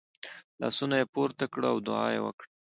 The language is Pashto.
لاسونه یې پورته کړه او دعا یې وکړه .